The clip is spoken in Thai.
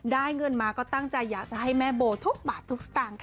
เงินมาก็ตั้งใจอยากจะให้แม่โบทุกบาททุกสตางค์ค่ะ